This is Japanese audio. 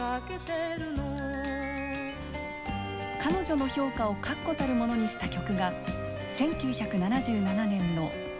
彼女の評価を確固たるものにした曲が１９７７年の「わかれうた」。